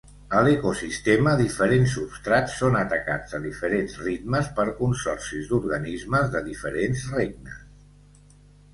A l'ecosistema, diferents substrats són atacats a diferents ritmes per consorcis d'organismes de diferents regnes.